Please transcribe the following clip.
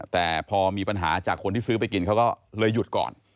แต่พอมีปัญหาจากคนที่ซื้อไปกินเขาก็เลยหยุดก่อน